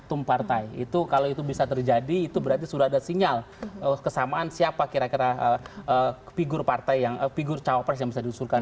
ketum partai itu kalau itu bisa terjadi itu berarti sudah ada sinyal kesamaan siapa kira kira figur partai yang figur cawapres yang bisa diusulkan